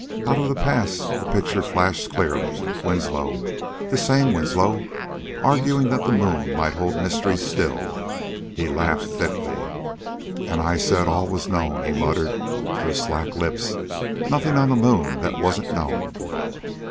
Out of the past a picture flashed clearly: Winslow this same Winslow arguing that the moon might hold mysteries still. He laughed thickly. "And I said it was all known," he muttered through slack lips. "Nothing on the moon that wasn't known...."